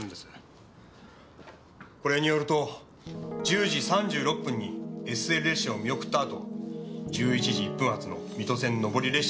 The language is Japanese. これによると１０時３６分にＳＬ列車を見送ったあと１１時１分発の水戸線上り列車に乗車。